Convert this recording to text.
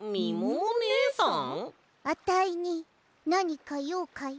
アタイになにかようかい？